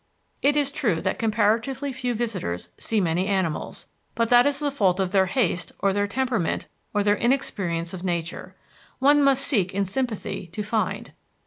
It is true that comparatively few visitors see many animals, but that is the fault of their haste or their temperament or their inexperience of nature. One must seek in sympathy to find.